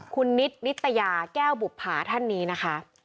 คุณนิดนิตยาแก้วบุภาท่านนี้นะคะ